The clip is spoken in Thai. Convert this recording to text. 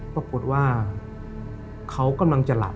ปรากฏว่าเขากำลังจะหลับ